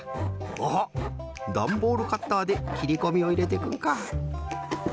おおっダンボールカッターできりこみをいれてくんか。